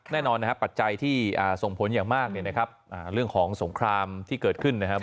แน่นอนนะครับปัจจัยที่ส่งผลอย่างมากเนี่ยนะครับเรื่องของสงครามที่เกิดขึ้นนะครับ